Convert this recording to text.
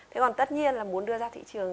thế còn tất nhiên là muốn đưa ra thị trường